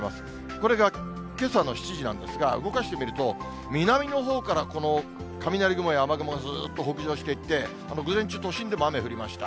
これがけさの７時なんですが、動かしてみると、南のほうから、この雷雲や雨雲がずっと北上していって、午前中、都心でも雨降りました。